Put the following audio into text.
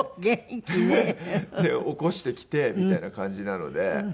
元気ね。で起こしてきてみたいな感じなので。